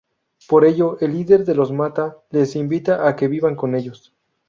Por ello, el líder de los Mata les invita a que vivan con ellos.